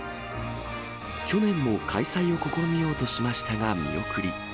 去年も開催を試みようとしましたが見送り。